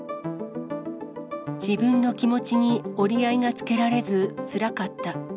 自分の気持ちに折り合いがつけられずつらかった。